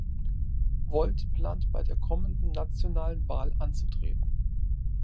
Volt plant bei der kommenden nationalen Wahl anzutreten.